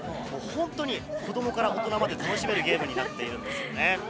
本当に子供から大人まで楽しめるゲームになっています。